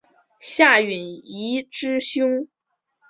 夏允彝之兄。